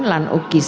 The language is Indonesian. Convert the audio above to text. lan uki samput